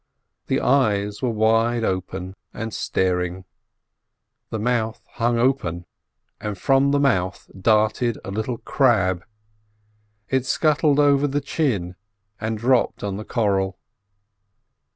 The eyes were wide open and staring. The mouth hung open, and from the mouth darted a little crab; it scuttled over the chin and dropped on the coral.